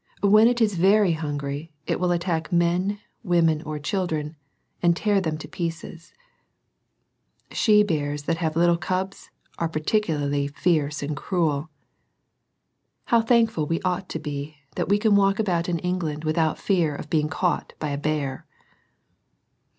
When it is very hungry it will attack men, women, or children, and tear them to pieces. She bears that have little cubs are particularly fierce and cruel. How thankful we ought to be, that we can walk about in England without fear of being caught by a bear